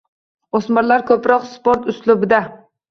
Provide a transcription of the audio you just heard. O‘smirlar ko‘proq sport uslubida.